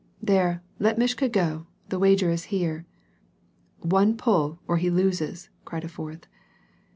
" There, let Mishka go, the wager is here." " One pull, or he loses," cried a fourth.